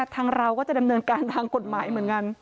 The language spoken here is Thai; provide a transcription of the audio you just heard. ทางเราก็จะดำเนินการทางกฎหมายเหมือนกัน